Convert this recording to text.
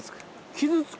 傷つく？